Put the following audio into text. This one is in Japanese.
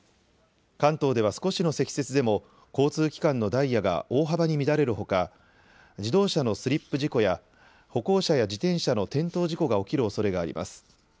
関東では少しの積雪でも交通機関のダイヤが大幅に乱れるほか、自動車のスリップ事故や、歩行者や自転車の転倒事故が起きるおそれがあります。